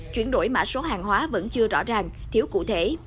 chuyển đổi mã số hàng hóa vẫn chưa rõ ràng thiếu cụ thể